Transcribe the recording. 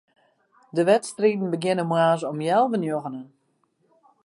De wedstriden begjinne moarns om healwei njoggenen.